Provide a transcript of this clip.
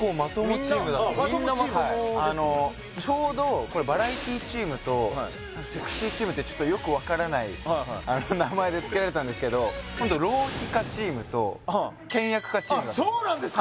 はいあのちょうどこれ「バラエティチーム」と「セクシーチーム」ってちょっとよく分からない名前でつけられたんですけどホント浪費家チームと倹約家チームなんです